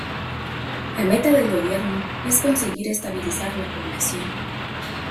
La meta del gobierno es conseguir estabilizar la población.